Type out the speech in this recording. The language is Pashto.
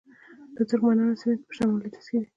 د ترکمنانو سیمې په شمال لویدیځ کې دي